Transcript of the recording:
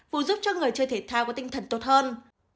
vừa giúp cho người chơi thể thao có tinh thần tốt hơn